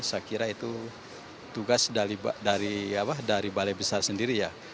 saya kira itu tugas dari balai besar sendiri ya